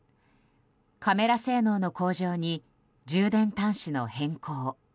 カメラ性能の向上に充電端子の変更。